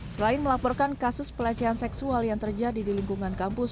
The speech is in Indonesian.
selain melaporkan kasus pelecehan seksual yang terjadi di lingkungan kampus